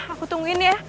aku tungguin ya